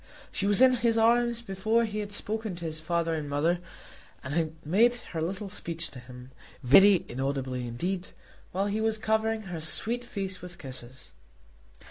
She was in his arms before he had spoken to his father and mother, and had made her little speech to him, very inaudibly indeed, while he was covering her sweet face with kisses.